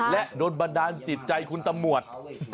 และโดนบันดาลจิตใจคุณตำรวจ